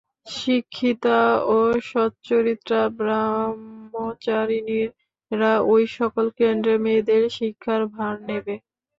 শিক্ষিতা ও সচ্চরিত্রা ব্রহ্মচারিণীরা ঐ সকল কেন্দ্রে মেয়েদের শিক্ষার ভার নেবে।